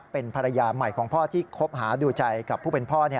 เป็นภรรยาใหม่ของพ่อที่คบหาดูใจกับผู้เป็นพ่อ